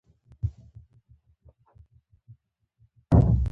نیکه د خپلو ماشومانو لپاره د ښوونې یوه مهمه وسیله ده.